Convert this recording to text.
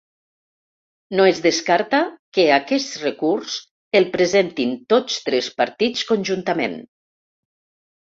No es descarta que aquest recurs el presentin tots tres partits conjuntament.